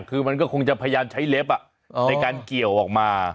คือมันก็คงจะพยายามใช้เล็บในการเกี่ยวออกมา